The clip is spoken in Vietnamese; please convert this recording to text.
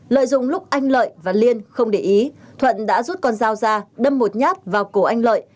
lợi dụng lúc anh lợi và liên không để ý thuận đã rút con dao ra đâm một nhát vào cổ anh lợi